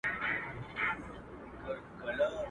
سترګي توري د هوسۍ قد یې چینار وو.